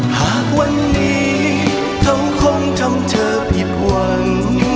หากวันนี้เธอคงจำเธอผิดหวัง